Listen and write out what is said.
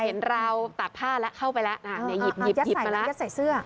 ราวตากผ้าแล้วเข้าไปแล้วหยิบไปแล้วยัดใส่เสื้อ